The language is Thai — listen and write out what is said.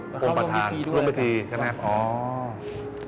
เข้าโรงพิธีด้วยนะครับโรงพิธีใช่ไหมครับอ๋อ